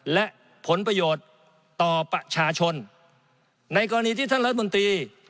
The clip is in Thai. และผลประโยชน์ต่อประชาชนในกรณีที่ท่านรัฐมนตรี